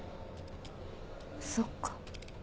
そっか。